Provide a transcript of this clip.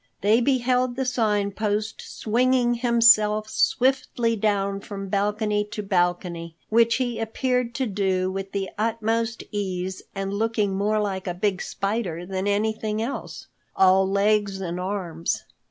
They beheld the Sign Post swinging himself swiftly down from balcony to balcony, which he appeared to do with the utmost ease and looking more like a big spider than anything else—all legs and arms.